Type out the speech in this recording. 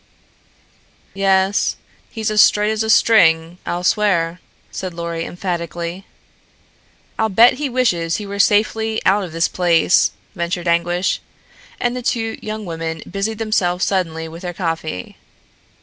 "Yes. He's as straight as a string, I'll swear," said Lorry emphatically. "I'll bet he wishes he were safely out of this place," ventured Anguish, and two young women busied themselves suddenly with their coffee.